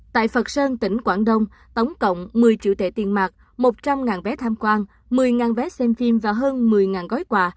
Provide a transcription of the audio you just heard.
tại phật sơn tỉnh quảng đông tổng cộng một mươi triệu thẻ tiền mạc một trăm linh vé tham quan một mươi vé xem phim và hơn một mươi gói quà